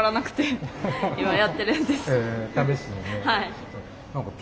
はい。